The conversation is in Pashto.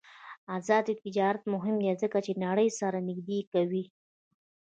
آزاد تجارت مهم دی ځکه چې نړۍ سره نږدې کوي.